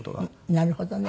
なるほどね。